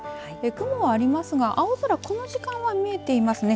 雲はありますが青空この時間は見えていますね。